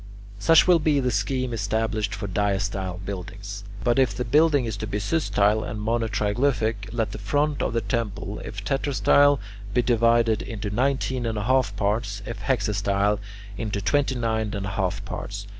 Such will be the scheme established for diastyle buildings. But if the building is to be systyle and monotriglyphic, let the front of the temple, if tetrastyle, be divided into nineteen and a half parts; if hexastyle, into twenty nine and a half parts.